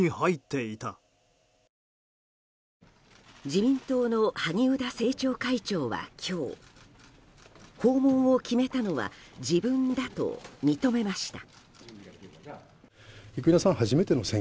自民党の萩生田政調会長は今日、訪問を決めたのは自分だと認めました。